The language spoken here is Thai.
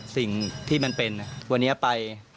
สิ่งที่มันเป็นวันนี้ไป